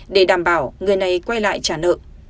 để đảm bảo người này quay lại trả nợ